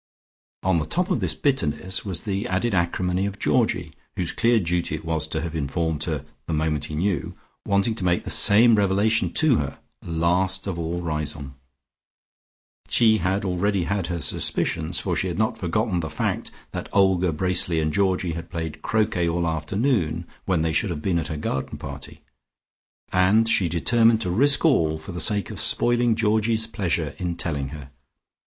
On the top of this bitterness was the added acrimony of Georgie, whose clear duty it was to have informed her the moment he knew, wanting to make the same revelation to her, last of all Riseholme. She had already had her suspicions, for she had not forgotten the fact that Olga Bracely and Georgie had played croquet all afternoon when they should have been at her garden party, and she determined to risk all for the sake of spoiling Georgie's pleasure in telling her.